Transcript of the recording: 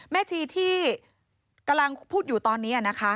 แม่ชีที่กำลังพูดอยู่ตอนนี้นะคะ